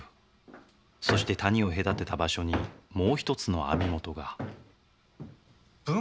そして谷を隔てた場所にもう一つの網元がぶん？